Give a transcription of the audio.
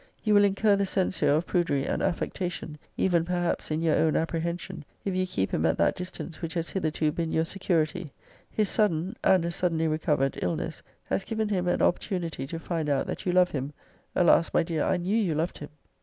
You will incur the censure of prudery and affectation, even perhaps in your own apprehension, if you keep him at that distance which has hitherto >>> been your security. His sudden (and as suddenly recovered) illness has given him an opportunity to find out that you love him. [Alas! my dear, I knew you loved him!